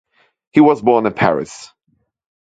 He was born in Paris.